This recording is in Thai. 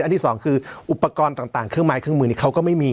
ที่สองคืออุปกรณ์ต่างเครื่องไม้เครื่องมือนี้เขาก็ไม่มี